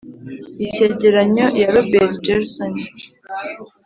icyegeranyo ya robert gersony,